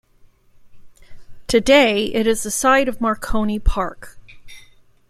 Today it is the site of Marconi Park.